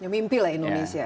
mimpi lah indonesia